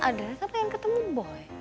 adriana kan tanya ketemu boy